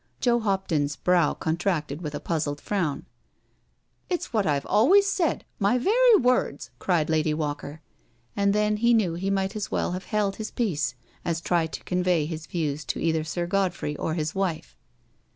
'^ Joe Hopton's brow contracted with a puzzled frown. " It's what I've always said — ^my very words I" cried Lady Walker. And then he knew he might as well have held his peace as try to convey his views to .either Sir Godfrey or his wife.